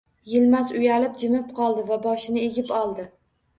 Yilmaz uyalib jimib qoldi va boshini egib oldi.